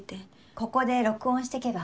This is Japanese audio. ここで録音してけば？